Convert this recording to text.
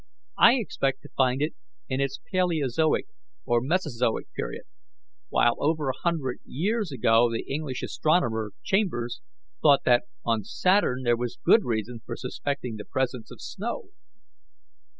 I expect to find it in its Palaeozoic or Mesozoic period, while over a hundred years ago the English astronomer, Chambers, thought that on Saturn there was good reason for suspecting the presence of snow."